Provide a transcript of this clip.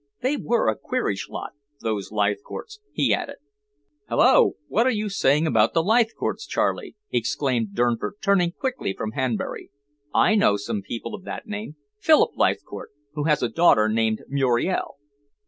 They were a queerish lot, those Leithcourts," he added. "Hulloa! What are you saying about the Leithcourts, Charley?" exclaimed Durnford, turning quickly from Hanbury. "I know some people of that name Philip Leithcourt, who has a daughter named Muriel."